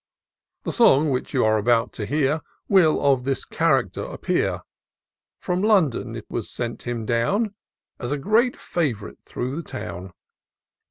The song, which you're about to hear. Will of this character appear ; From London it was sent him down As a great fav'rite through the town.